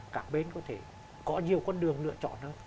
các bên có thể có nhiều con đường lựa chọn hơn